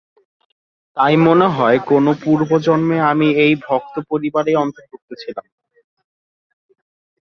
তাই মনে হয়, কোন পূর্বজন্মে আমি এই ভক্ত পরিবারেরই অন্তর্ভুক্ত ছিলাম।